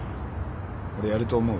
俺やると思う？